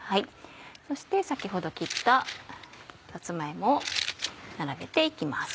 そして先ほど切ったさつま芋を並べて行きます。